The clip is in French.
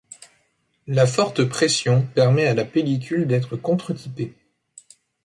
La forte pression permet à la pellicule d'être contretypée.